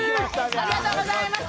ありがとうございます。